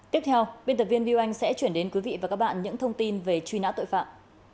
tiếp theo biên tập viên biêu anh sẽ chuyển đến quý vị và các bạn những thông tin về truy nã tội phạm